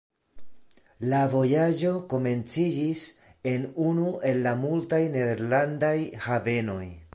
La vojaĝo komenciĝis en unu el la multaj nederlandaj havenoj.